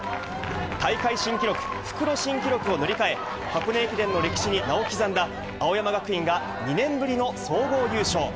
大会新記録、復路新記録を塗り替え、箱根駅伝の歴史に名を刻んだ青山学院が２年ぶりの総合優勝。